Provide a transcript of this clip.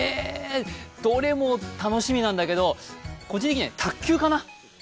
どれも楽しみなんだけど、個人的には卓球かな。